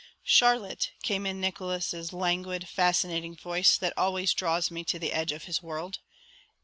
"Charlotte!" came in Nickols' languid, fascinating voice that always draws me to the edge of his world.